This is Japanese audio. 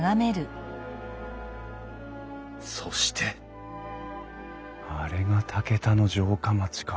そしてあれが竹田の城下町か。